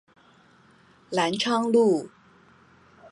藍昌路